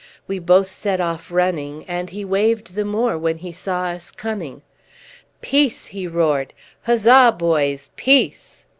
We both set off running, and he waved the more when he saw us coming. "Peace!" he roared. "Huzza, boys! Peace!"